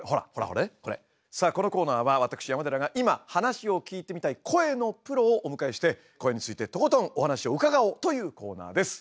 さあこのコーナーは私山寺が今話を聞いてみたい声のプロをお迎えして声についてとことんお話を伺おうというコーナーです。